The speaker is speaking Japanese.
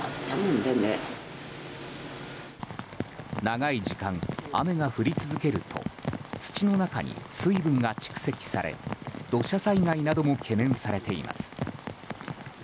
長い時間、雨が降り続けると土の中に水分が蓄積され土砂災害なども懸念されています。